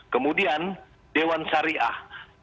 kemudian dewan syariah